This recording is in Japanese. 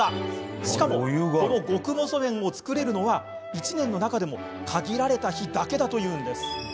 しかも、この極細麺を作れるのは１年の中でも限られた日だけだというんです。